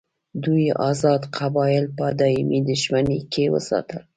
دوی آزاد قبایل په دایمي دښمني کې وساتل.